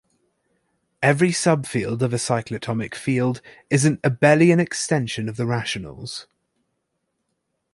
Every subfield of a cyclotomic field is an abelian extension of the rationals.